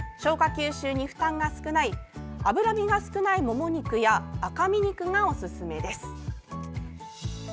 吸収に負担が少ない脂身が少ない、もも肉や赤身肉がおすすめです。